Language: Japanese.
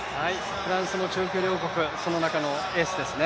フランスの中距離王国の中のエースですね。